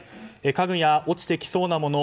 家具や落ちてきそうなもの